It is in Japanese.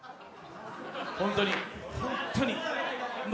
本当に、本当なに。